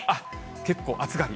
結構暑がり。